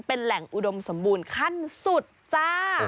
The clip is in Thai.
เป็นแหล่งอุดมสมบูรณ์ขั้นสุดจ้า